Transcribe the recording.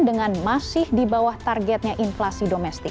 dengan masih di bawah targetnya inflasi domestik